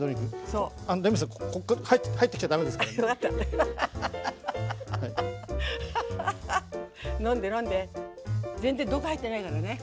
レミさん、入ってきちゃだめですからね。